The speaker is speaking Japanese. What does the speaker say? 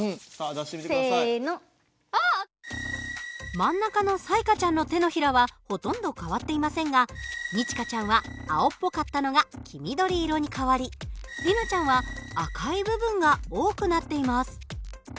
真ん中の彩加ちゃんの手のひらはほとんど変わっていませんが二千翔ちゃんは青っぽかったのが黄緑色に変わり里奈ちゃんは赤い部分が多くなっています。